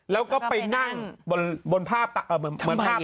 แล้วก็ไปนั่งบนภาพการเงินทำไมเนี่ย